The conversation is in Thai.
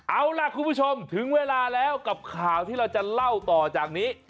เอาล่ะคุณผู้ชมถึงเวลาแล้วกับข่าวที่เราจะเล่าต่อจากนี้